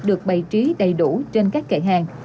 được bày trí đặc sản